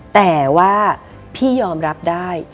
แต่ว่าพี่ยอมรับได้